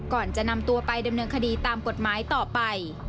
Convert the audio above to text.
ก่อนจะนำตัวไปดำเนินคดีตามกฎหมายต่อไป